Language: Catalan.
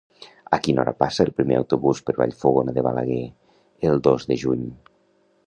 A quina hora passa el primer autobús per Vallfogona de Balaguer el dos de juny?